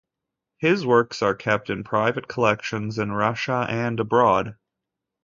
His works are kept in private collections in Russia and abroad.